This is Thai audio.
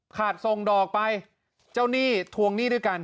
ส่งดอกไปเจ้าหนี้ทวงหนี้ด้วยกัน